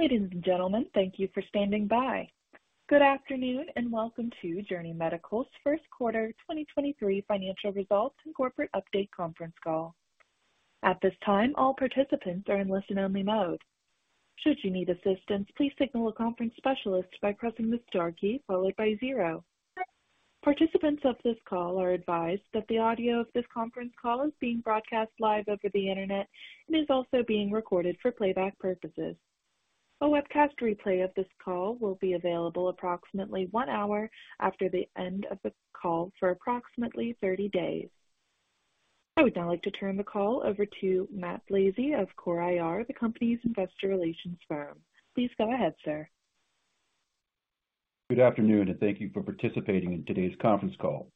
Ladies and gentlemen, thank you for standing by. Good afternoon, and welcome to Journey Medical's First Quarter 2023 Financial Results and Corporate Update Conference Call. At this time, all participants are in listen-only mode. Should you need assistance, please signal a conference specialist by pressing the star key followed by zero. Participants of this call are advised that the audio of this conference call is being broadcast live over the Internet and is also being recorded for playback purposes. A webcast replay of this call will be available approximately one hour after the end of the call for approximately 30 days. I would now like to turn the call over to Matt Blazei of CORE IR, the company's investor relations firm. Please go ahead, sir. Good afternoon, and thank you for participating in today's conference call.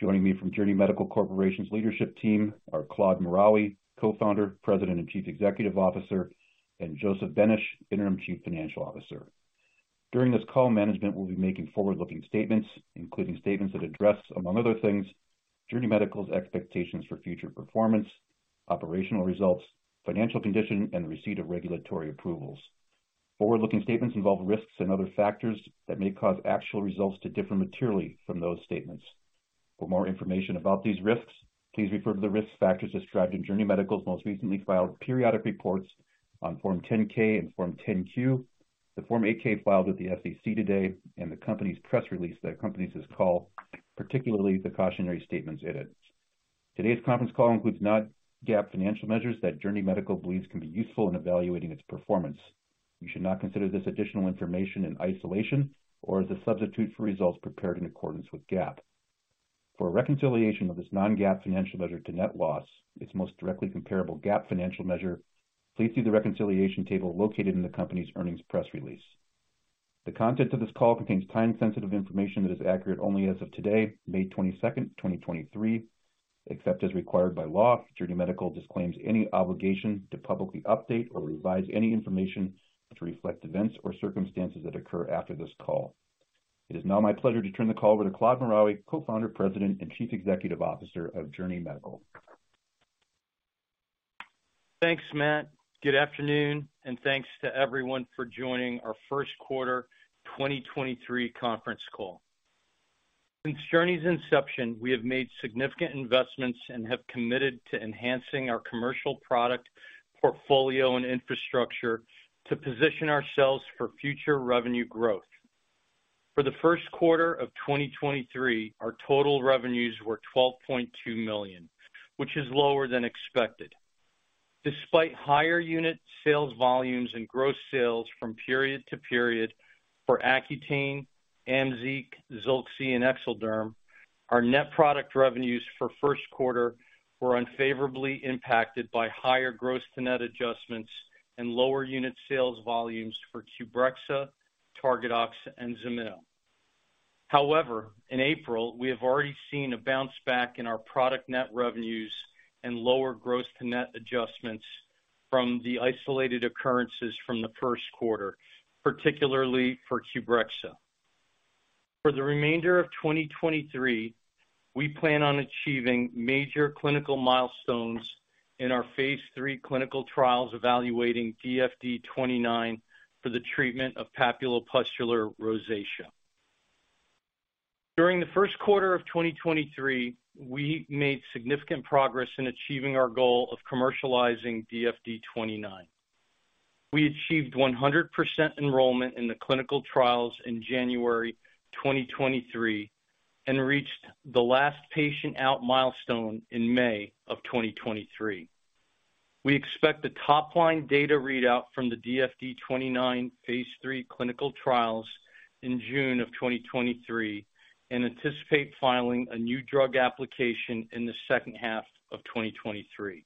Joining me from Journey Medical Corporation's leadership team are Claude Maraoui, Co-Founder, President, and Chief Executive Officer, and Joseph Benesch, Interim Chief Financial Officer. During this call, management will be making forward-looking statements, including statements that address, among other things, Journey Medical's expectations for future performance, operational results, financial condition, and receipt of regulatory approvals. Forward-looking statements involve risks and other factors that may cause actual results to differ materially from those statements. For more information about these risks, please refer to the risk factors described in Journey Medical's most recently filed periodic reports on Form 10-K and Form 10-Q, the Form 8-K filed with the SEC today, and the company's press release that accompanies this call, particularly the cautionary statements in it. Today's conference call includes non-GAAP financial measures that Journey Medical believes can be useful in evaluating its performance. You should not consider this additional information in isolation or as a substitute for results prepared in accordance with GAAP. For a reconciliation of this non-GAAP financial measure to net loss, its most directly comparable GAAP financial measure, please see the reconciliation table located in the company's earnings press release. The content of this call contains time-sensitive information that is accurate only as of today, May 22nd, 2023. Except as required by law, Journey Medical disclaims any obligation to publicly update or revise any information to reflect events or circumstances that occur after this call. It is now my pleasure to turn the call over to Claude Maraoui, Co-Founder, President, and Chief Executive Officer of Journey Medical. Thanks, Matt Blazei. Good afternoon, and thanks to everyone for joining our first quarter 2023 conference call. Since Journey's inception, we have made significant investments and have committed to enhancing our commercial product portfolio and infrastructure to position ourselves for future revenue growth. For the first quarter of 2023, our total revenues were $12.2 million, which is lower than expected. Despite higher unit sales volumes and gross sales from period to period for Accutane, AMZEEQ, Zilxi, and Exelderm, our net product revenues for first quarter were unfavorably impacted by higher gross-to-net adjustments and lower unit sales volumes for Qbrexza, Targadox, and Ximino. In April, we have already seen a bounce back in our product net revenues and lower gross-to-net adjustments from the isolated occurrences from the first quarter, particularly for Qbrexza. For the remainder of 2023, we plan on achieving major clinical milestones in our phase III clinical trials evaluating DFD-29 for the treatment of papulopustular rosacea. During the first quarter of 2023, we made significant progress in achieving our goal of commercializing DFD-29. We achieved 100% enrollment in the clinical trials in January 2023 and reached the Last Patient Out milestone in May of 2023. We expect the topline data readout from the DFD-29 phase 3 clinical trials in June of 2023 and anticipate filing a new drug application in the second half of 2023.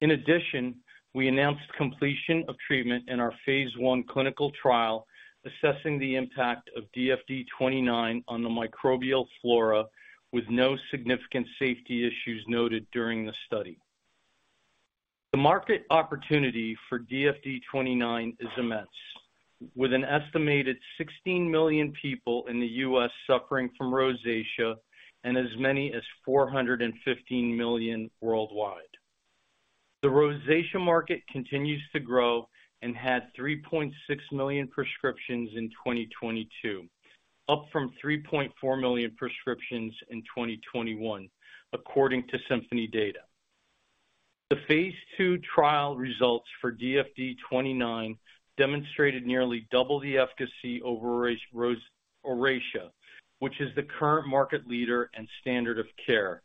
In addition, we announced completion of treatment in our phase I clinical trial assessing the impact of DFD-29 on the microbial flora with no significant safety issues noted during the study. The market opportunity for DFD-29 is immense, with an estimated 16 million people in the U.S. suffering from rosacea and as many as 415 million worldwide. The rosacea market continues to grow and had 3.6 million prescriptions in 2022, up from 3.4 million prescriptions in 2021, according to Symphony data. The Phase II trial results for DFD-29 demonstrated nearly double the efficacy over Oracea, which is the current market leader and standard of care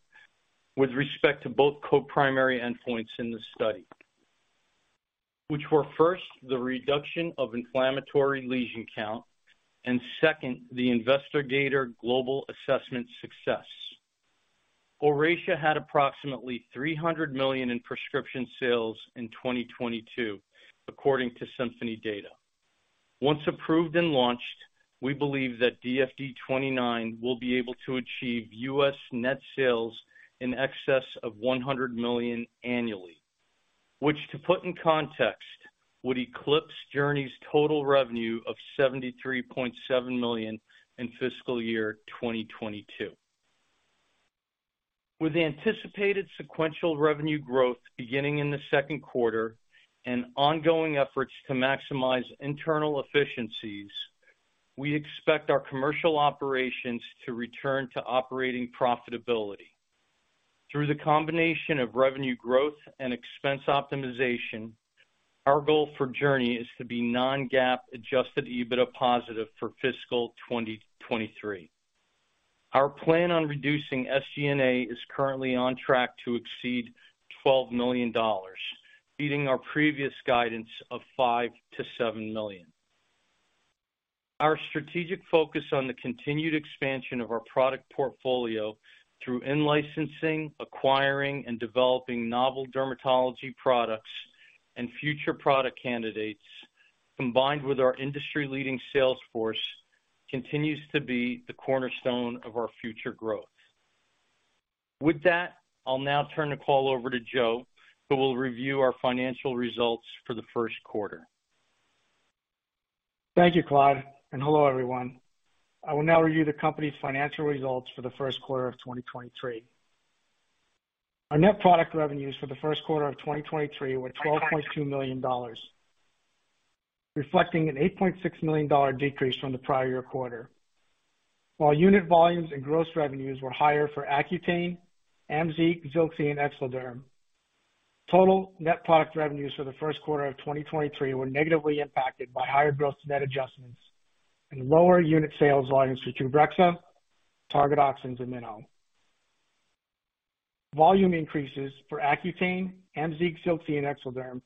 with respect to both co-primary endpoints in the study. Which were first, the reduction of inflammatory lesion count, and second, the Investigator's Global Assessment success. Oracea had approximately $300 million in prescription sales in 2022, according to Symphony data. Once approved and launched, we believe that DFD-29 will be able to achieve U.S. net sales in excess of $100 million annually. To put in context, would eclipse Journey's total revenue of $73.7 million in fiscal year 2022. With anticipated sequential revenue growth beginning in the second quarter and ongoing efforts to maximize internal efficiencies, we expect our commercial operations to return to operating profitability. Through the combination of revenue growth and expense optimization, our goal for Journey is to be non-GAAP adjusted EBITDA positive for fiscal 2023. Our plan on reducing SG&A is currently on track to exceed $12 million, beating our previous guidance of $5 million-$7 million. Our strategic focus on the continued expansion of our product portfolio through in-licensing, acquiring, and developing novel dermatology products and future product candidates, combined with our industry-leading sales force, continues to be the cornerstone of our future growth. With that, I'll now turn the call over to Joe, who will review our financial results for the first quarter. Thank you, Claude, and hello, everyone. I will now review the company's financial results for the first quarter of 2023. Our net product revenues for the first quarter of 2023 were $12.2 million, reflecting an $8.6 million decrease from the prior year quarter. While unit volumes and gross revenues were higher for Accutane, AMZEEQ, Zilxi and Exelderm, total net product revenues for the first quarter of 2023 were negatively impacted by higher gross-to-net adjustments and lower unit sales volumes for Qbrexza, Targadox, and Ximino. Volume increases for Accutane, AMZEEQ, Zilxi and Exelderm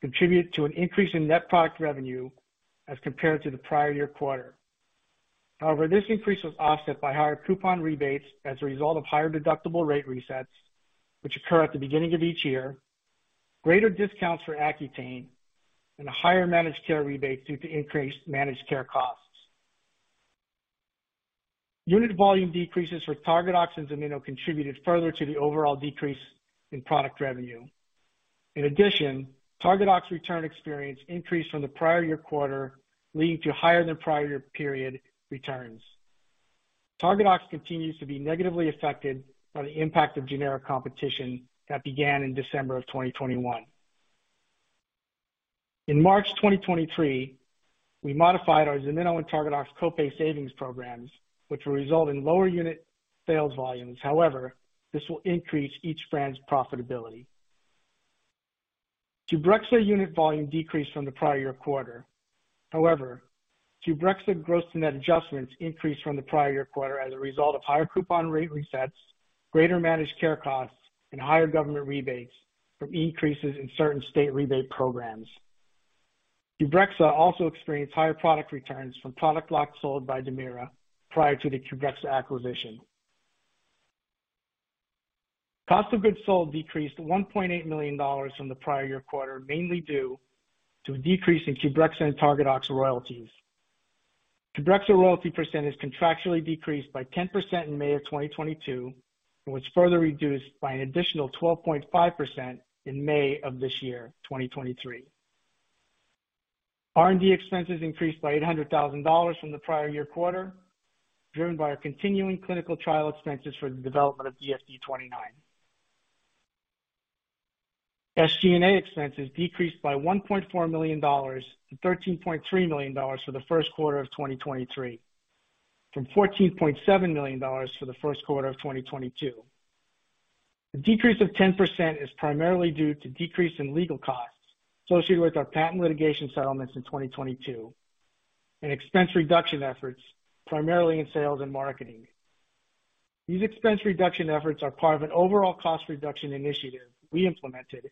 contributed to an increase in net product revenue as compared to the prior year quarter. This increase was offset by higher coupon rebates as a result of higher deductible rate resets, which occur at the beginning of each year, greater discounts for Accutane, and higher managed care rebates due to increased managed care costs. Unit volume decreases for Targadox and Ximino contributed further to the overall decrease in product revenue. Targadox return experience increased from the prior year quarter, leading to higher than prior year period returns. Targadox continues to be negatively affected by the impact of generic competition that began in December of 2021. In March 2023, we modified our Ximino and Targadox co-pay savings programs, which will result in lower unit sales volumes. This will increase each brand's profitability. Qbrexza unit volume decreased from the prior year quarter. Qbrexza gross and net adjustments increased from the prior-year quarter as a result of higher coupon rate resets, greater managed care costs, and higher government rebates from increases in certain state rebate programs. Qbrexza also experienced higher product returns from product lots sold by Dermira prior to the Qbrexza acquisition. Cost of goods sold decreased $1.8 million from the prior-year quarter, mainly due to a decrease in Qbrexza and Targadox royalties. Qbrexza royalty % is contractually decreased by 10% in May of 2022 and was further reduced by an additional 12.5% in May of this year, 2023. R&D expenses increased by $800,000 from the prior-year quarter, driven by our continuing clinical trial expenses for the development of DFD-29. SG&A expenses decreased by $1.4 million to $13.3 million for the first quarter of 2023, from $14.7 million for the first quarter of 2022. The decrease of 10% is primarily due to decrease in legal costs associated with our patent litigation settlements in 2022 and expense reduction efforts, primarily in sales and marketing. These expense reduction efforts are part of an overall cost reduction initiative we implemented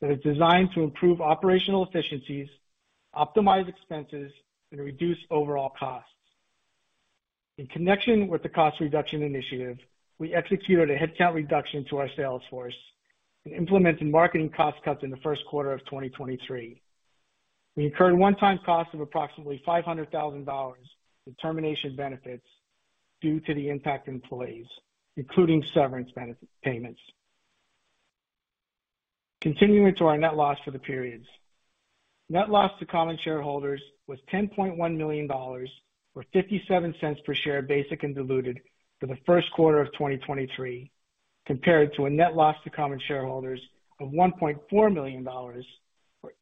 that is designed to improve operational efficiencies, optimize expenses, and reduce overall costs. In connection with the cost reduction initiative, we executed a headcount reduction to our sales force and implemented marketing cost cuts in the first quarter of 2023. We incurred one-time costs of approximately $500,000 in termination benefits due to the impact employees, including severance benefit payments. Continuing to our net loss for the periods. Net loss to common shareholders was $10.1 million, or $0.57 per share, basic and diluted for the first quarter of 2023, compared to a net loss to common shareholders of $1.4 million, or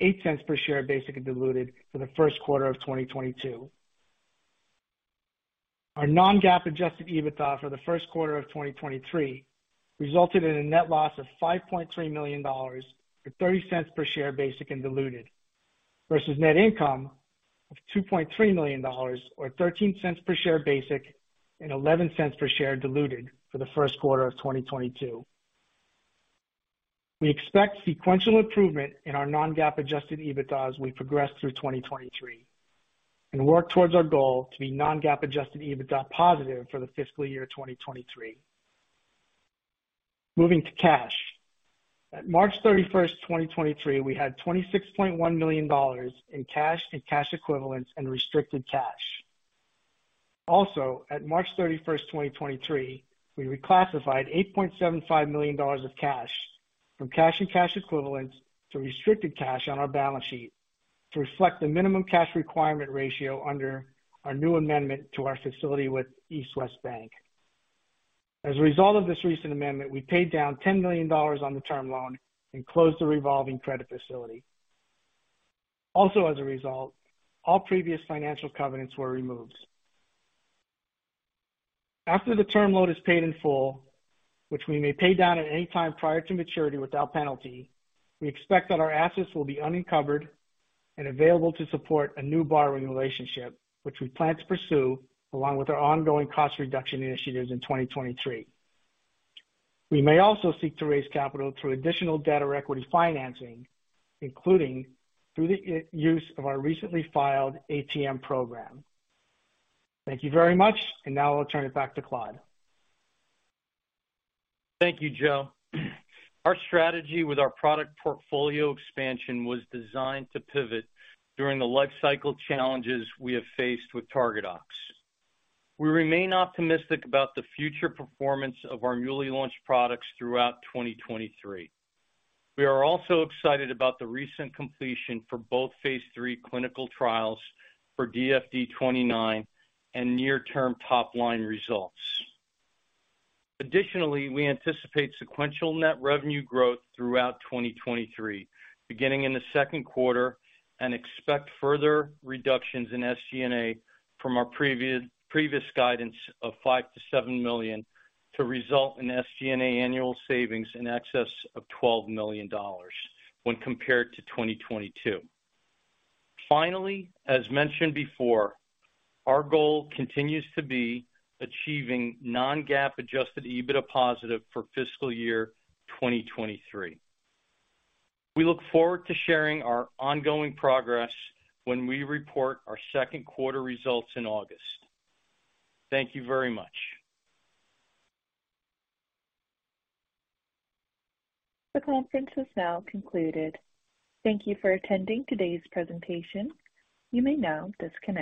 $0.08 per share, basic and diluted for the first quarter of 2022. Our non-GAAP adjusted EBITDA for the first quarter of 2023 resulted in a net loss of $5.3 million, or $0.30 per share basic and diluted, versus net income of $2.3 million or $0.13 per share basic and $0.11 per share diluted for the first quarter of 2022. We expect sequential improvement in our non-GAAP adjusted EBITDA as we progress through 2023 and work towards our goal to be non-GAAP adjusted EBITDA positive for the fiscal year 2023. Moving to cash. At March 31, 2023, we had $26.1 million in cash and cash equivalents and restricted cash. At March 31, 2023, we reclassified $8.75 million of cash from cash and cash equivalents to restricted cash on our balance sheet. To reflect the minimum cash requirement ratio under our new amendment to our facility with East West Bank. As a result of this recent amendment, we paid down $10 million on the term loan and closed the revolving credit facility. As a result, all previous financial covenants were removed. After the term loan is paid in full, which we may pay down at any time prior to maturity without penalty, we expect that our assets will be unencumbered and available to support a new borrowing relationship, which we plan to pursue along with our ongoing cost reduction initiatives in 2023. We may also seek to raise capital through additional debt or equity financing, including through the use of our recently filed ATM program. Thank you very much. Now I'll turn it back to Claude. Thank you, Joe. Our strategy with our product portfolio expansion was designed to pivot during the life cycle challenges we have faced with Targadox. We remain optimistic about the future performance of our newly launched products throughout 2023. We are also excited about the recent completion for both phase III clinical trials for DFD-29 and near term topline results. We anticipate sequential net revenue growth throughout 2023, beginning in the second quarter, and expect further reductions in SG&A from our previous guidance of $5 million-$7 million to result in SG&A annual savings in excess of $12 million when compared to 2022. As mentioned before, our goal continues to be achieving non-GAAP adjusted EBITDA positive for fiscal year 2023. We look forward to sharing our ongoing progress when we report our second quarter results in August. Thank you very much. The conference is now concluded. Thank you for attending today's presentation. You may now disconnect.